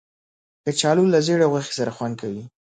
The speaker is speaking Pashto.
کچالو له زېړې غوښې سره خوند کوي